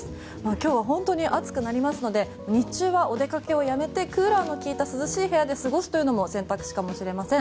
今日は本当に暑くなりますので日中はお出かけをやめてクーラーの利いた涼しい部屋で過ごすというのも選択肢かもしれません。